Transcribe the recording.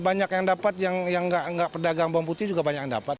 banyak yang dapat yang nggak pedagang bawang putih juga banyak yang dapat